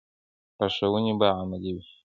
لارښوونې به عملي وي.